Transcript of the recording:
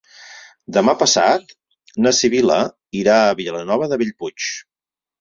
Demà passat na Sibil·la irà a Vilanova de Bellpuig.